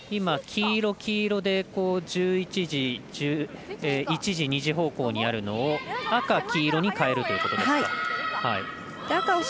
黄色、黄色で１時、２時方向にあるのを赤、黄色に変えるということですか。